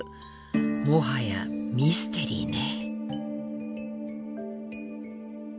もはやミステリーね。